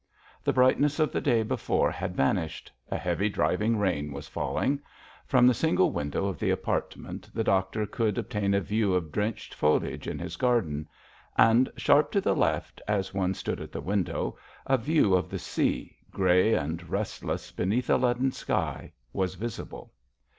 The brightness of the day before had vanished; a heavy driving rain was falling. From the single window of the apartment the doctor could obtain a view of drenched foliage in his garden. And, sharp to the left, as one stood at the window, a view of the sea, grey and restless beneath a leaden sky, was visible.